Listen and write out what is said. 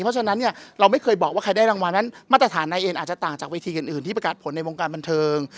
เพราะฉะนั้นเนี่ยเราไม่เคยบอกว่าใครได้รางวัลนั้นมาตรฐานนายเอ็นอาจจะต่างจากเวทีอื่นที่ประกาศผลในวงการบันเทิง